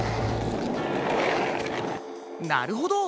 なるほど。